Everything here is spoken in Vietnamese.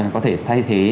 có thể thay thế